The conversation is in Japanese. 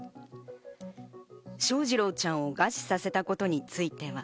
翔士郎ちゃんを餓死させたことについては。